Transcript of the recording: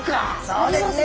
そうですね。